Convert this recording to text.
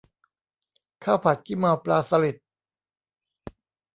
ข้าวผัดขี้เมาปลาสลิด